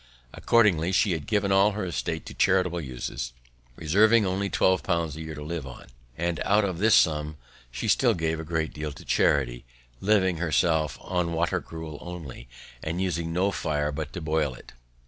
Accordingly, she had given all her estate to charitable uses, reserving only twelve pounds a year to live on, and out of this sum she still gave a great deal in charity, living herself on water gruel only, and using no fire but to boil it.